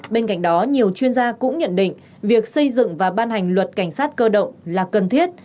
bên cạnh đó nhiều chuyên gia cũng nhận định việc xây dựng và ban hành luật cảnh sát cơ động là cần thiết